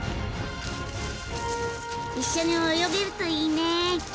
一緒に泳げるといいね！